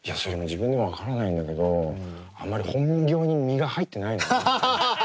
自分でも分からないんだけどあまり本業に身が入ってないの。